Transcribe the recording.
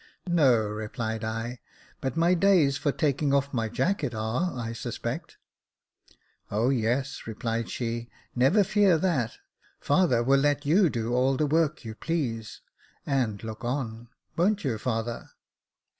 " No," replied I ;" but my days for taking off my jacket are, I suspect." " O yes," replied she, " never fear that : father will let you do all the work you please, and look on — won't you, father